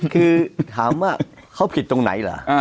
คือถามว่าเขาผิดตรงไหนเหรอ